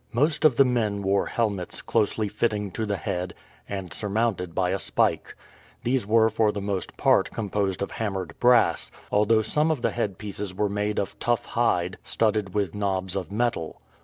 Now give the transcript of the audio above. Most of the men wore helmets closely fitting to the head and surmounted by a spike. These were for the most part composed of hammered brass, although some of the headpieces were made of tough hide studded with knobs of metal.